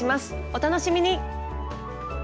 お楽しみに！